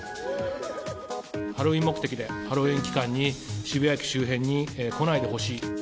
ハロウィーン目的で、ハロウィーン期間に渋谷駅周辺に来ないでほしい。